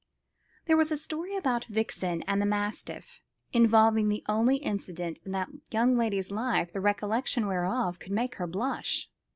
There was a story about Vixen and the mastiff, involving the only incident in that young lady's life the recollection whereof could make her blush.